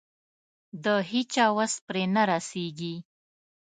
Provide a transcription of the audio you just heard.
د هيچا وس پرې نه رسېږي.